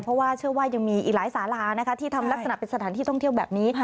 เพราะว่าเชื่อว่ายังมีอีกหลายสาลานะคะที่ทำลักษณะเป็นสถานที่ท่องเที่ยวแบบนี้